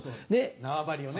縄張をね。